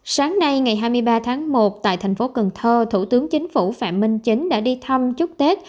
sáng nay ngày hai mươi ba tháng một tại thành phố cần thơ thủ tướng chính phủ phạm minh chính đã đi thăm chúc tết